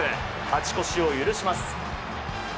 勝ち越しを許します。